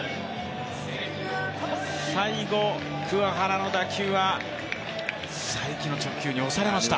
最後、桑原の打球は才木の直球に押されました。